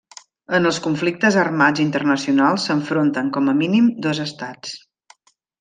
En els conflictes armats internacionals s'enfronten, com a mínim, dos Estats.